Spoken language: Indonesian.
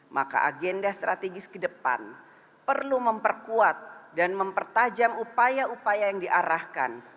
maka agenda strategis ke depan perlu memperkuat dan mempertajam upaya upaya yang diarahkan